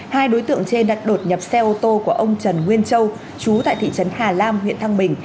hai đối tượng trên đã đột nhập xe ô tô của ông trần nguyên châu chú tại thị trấn hà lam huyện thăng bình